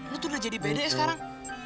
lu tuh udah jadi beda ya sekarang